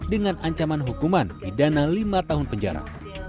dengan ancaman hukuman di dana lima tahun penjara